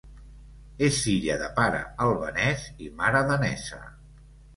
És filla de pare albanès i mare danesa.